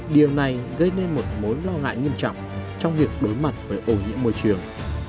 điều này gây nên một mối lo ngại nghiêm trọng trong việc đối mặt với ô nhiễm môi trường